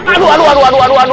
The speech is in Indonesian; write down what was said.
aduh aduh aduh